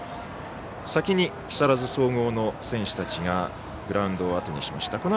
先に木更津総合の選手たちグラウンドをあとにしました。